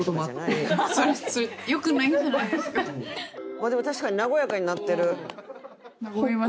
まあでも確かに和やかになってる。